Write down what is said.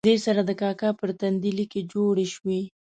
دې سره د کاکا پر تندي لیکې جوړې شوې.